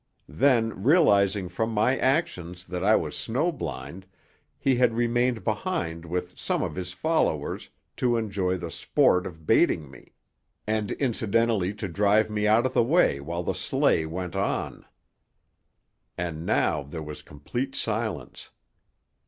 Then, realizing from my actions that I was snow blind, he had remained behind with some of his followers to enjoy the sport of baiting me, and incidentally to drive me out of the way while the sleigh went on. And now there was complete silence.